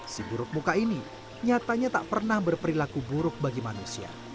si buruk muka ini nyatanya tak pernah berperilaku buruk bagi manusia